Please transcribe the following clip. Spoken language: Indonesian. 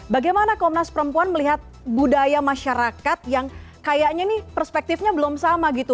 bagaimana komnas perempuan melihat budaya masyarakat yang kayaknya ini perspektifnya belum sama gitu